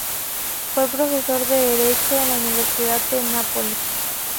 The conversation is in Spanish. Fue profesor de Derecho en la Universidad de Nápoles.